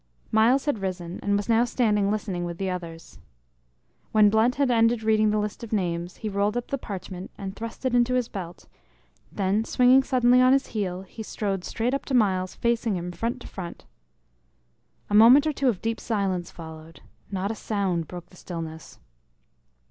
Myles had risen, and was now standing listening with the others. When Blunt had ended reading the list of names, he rolled up the parchment, and thrust it into his belt; then swinging suddenly on his heel, he strode straight up to Myles, facing him front to front. A moment or two of deep silence followed; not a sound broke the stillness.